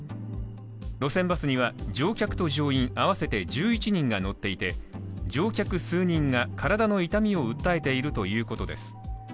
路線バスには乗客と乗員合わせて１１人が乗っていて乗客数人が体の痛みを訴えているということです。